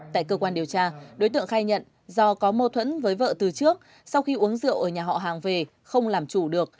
tại cơ quan điều tra đối tượng khai nhận do có mâu thuẫn với vợ từ trước sau khi uống rượu ở nhà họ hàng về không làm chủ được